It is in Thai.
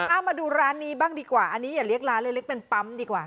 เอามาดูร้านนี้บ้างดีกว่าอันนี้อย่าเรียกร้านเลยเรียกเป็นปั๊มดีกว่า